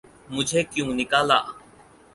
''مجھے کیوں نکالا‘‘۔